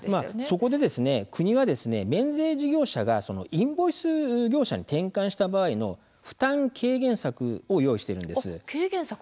そこで国は免税事業者がインボイス業者に転換した場合の負担軽減策を用意しているんです。